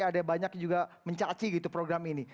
ada banyak juga mencaci gitu program ini